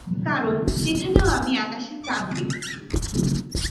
কারণ, সেখানেও আমি আকাশে চাঁদ দেখছি।